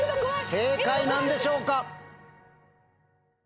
正解なんでしょうか？